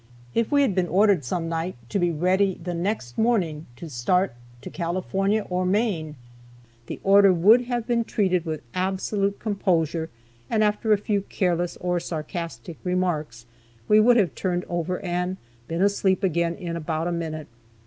If we had been ordered some night to be ready the next morning to start to California or Maine, the order would have been treated with absolute composure, and after a few careless or sarcastic remarks, we would have turned over and been asleep again in about a minute.